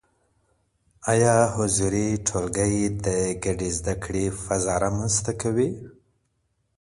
ايا حضوري ټولګي د ګډې زده کړي فضا رامنځته کوي؟